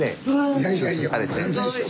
いやいやいや全然。